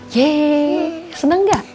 yeay seneng gak